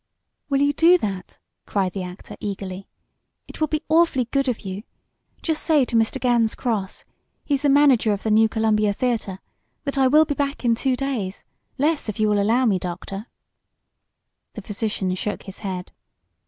"Will you do that?" cried the actor, eagerly. "It will be awfully good of you. Just say to Mr. Gans Cross he's the manager of the New Columbia theater that I will be back in two days less, if you will allow me, Doctor." The physician shook his head.